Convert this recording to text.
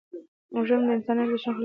وژنه د انساني ارزښتونو خلاف ده